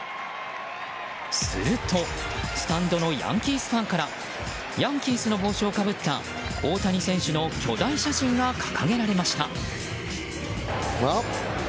すると、スタンドのヤンキースファンからヤンキースの帽子をかぶった大谷選手の巨大写真が掲げられました。